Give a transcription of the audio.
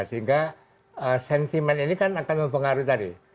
sehingga sentimen ini kan akan mempengaruhi tadi